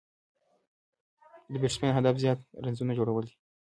د بېټسمېن هدف زیات رنزونه جوړول دي.